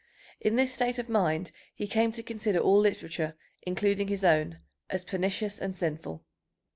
In this state of mind he came to consider all literature, including his own, as pernicious and sinful.